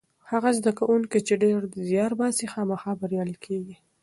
هغه زده کوونکی چې ډېر زیار باسي خامخا بریالی کېږي.